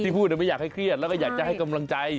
พูดไม่อยากให้เครียดแล้วก็อยากจะให้กำลังใจ